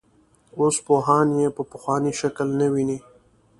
اوس پوهان یې په پخواني شکل نه ویني.